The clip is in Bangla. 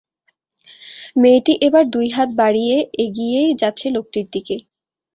মেয়েটি এবার দুইহাত বাড়িয়ে এগিয়ে যাচ্ছে লোকটির দিকে।